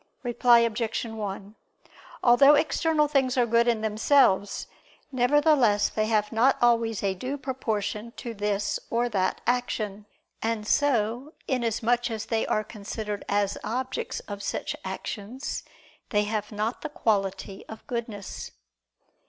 Reply Obj. 1: Although external things are good in themselves, nevertheless they have not always a due proportion to this or that action. And so, inasmuch as they are considered as objects of such actions, they have not the quality of goodness.